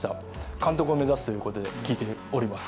監督を目指すということで聞いております。